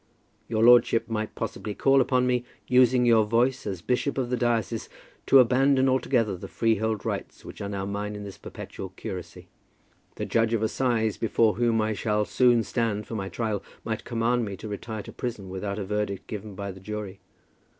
Your lordship might possibly call upon me, using your voice as bishop of the diocese, to abandon altogether the freehold rights which are now mine in this perpetual curacy. The judge of assize, before whom I shall soon stand for my trial, might command me to retire to prison without a verdict given by the jury.